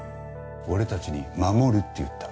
俺たちに「守る」って言った。